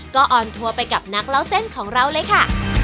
ก็ออนทัวร์ไปกับนักเล่าเส้นของเราเลยค่ะ